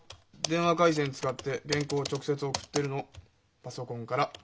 電話回線使って原稿直接送ってるのパソコンから。